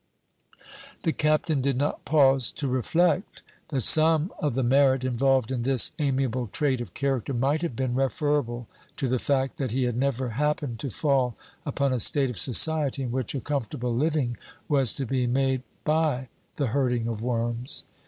The Captain did not pause to reflect that some of the merit involved in this amiable trait of character might have been referable to the fact, that he had never happened to fall upon a state of society in which a comfortable living was to be made by the hurting of worms.